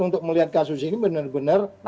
untuk melihat kasus ini benar benar